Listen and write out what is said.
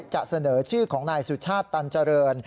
จะเสนอชื่อของนายสุชาติตันเจริญ